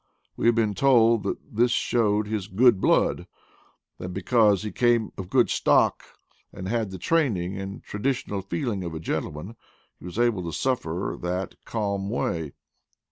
We have been told that this showed his good blood : that because he came of a good stock, and had the training and traditional feelings of a gentleman, he was able to suffer in that calm way.